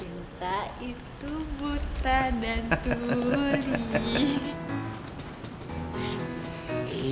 cinta itu buta dan tuli